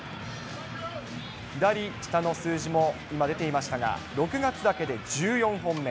左下の数字も今出ていましたが、６月だけで１４本目。